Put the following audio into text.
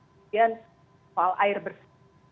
kemudian soal air bersih